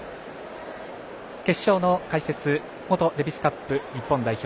決勝の解説元デビスカップ日本代表